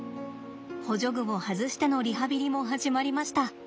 補助具を外してのリハビリも始まりました。